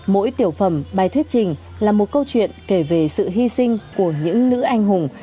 mỗi tiểu phẩm bài thuyết trình là một câu chuyện kể về sự hy sinh của những nữ anh hùng